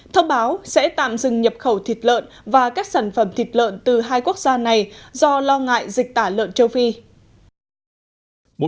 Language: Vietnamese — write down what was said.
thông báo sẽ tạm dừng nhập khẩu thịt lợn và các sản phẩm thịt lợn từ hai quốc gia này do lo ngại dịch tả lợn châu phi